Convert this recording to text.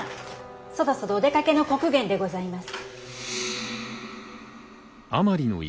そろそろお出かけの刻限でございます。